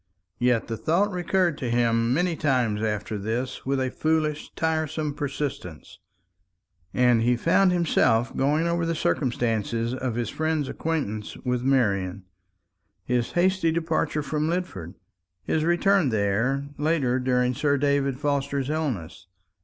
Yet the thought recurred to him many times after this with a foolish tiresome persistence; and he found himself going over the circumstances of his friend's acquaintance with Marian, his hasty departure from Lidford, his return there later during Sir David Forster's illness.